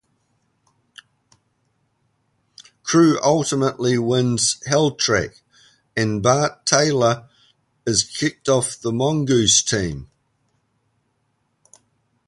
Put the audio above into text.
Cru ultimately wins Helltrack, and Bart Taylor is kicked off the Mongoose team.